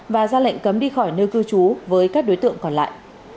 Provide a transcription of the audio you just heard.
và ra lệnh cấm đi khỏi nơi cư trú với các đối tượng còn lại